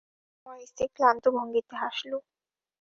আমার স্ত্রী ক্লান্ত ভঙ্গিতে হাসল।